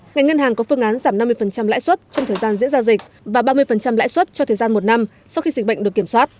ngành ngân hàng có phương án giảm năm mươi lãi suất trong thời gian diễn ra dịch và ba mươi lãi suất cho thời gian một năm sau khi dịch bệnh được kiểm soát